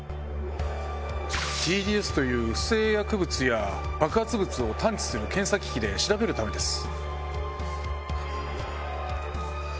ＴＤＳという不正薬物や爆発物を探知する検査機器で調べるためです。